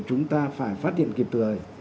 chúng ta phải phát hiện kịp thời